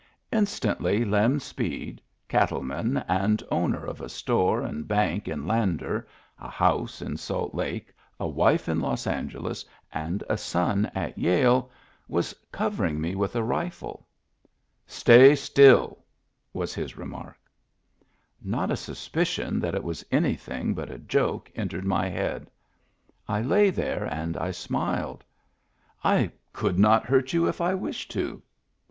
Instantly Lem Speed, cattleman and owner of a Digitized by Google 194 MEMBERS OF THE FAMILY store and bank in Lander, a house in Salt Lakei a wife in Los Angeles, and a son at Yale, was covering me with a rifle. " Stay still," was his remark. Not a suspicion that it was anything but a joke entered my head I lay there and I smiled. " I could not hurt you if I wished to."